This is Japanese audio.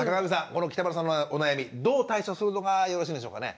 この北村さんのお悩みどう対処するのがよろしいんでしょうかね？